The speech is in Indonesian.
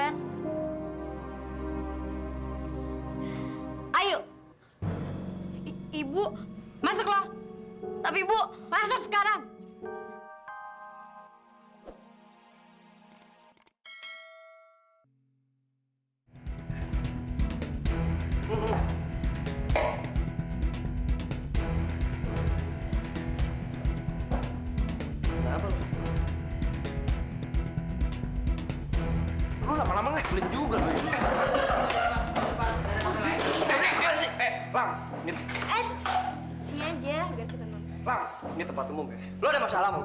lu ada masalah sama gue